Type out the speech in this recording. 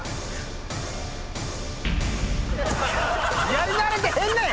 やり慣れてへんねん！